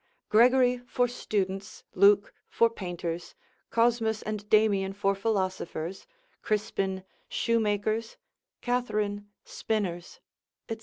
Gregory for students; Luke for painters; Cosmus and Damian for philosophers; Crispin, shoemakers; Katherine, spinners; &c.